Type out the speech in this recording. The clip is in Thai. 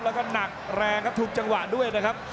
แล้วก็หนักแรงครับถูกจังหวะด้วยนะครับ